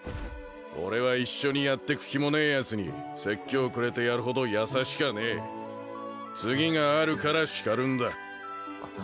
俺は一緒にやってく気もねえヤツに説教くれてやるほど優しかねえ次があるから叱るんだ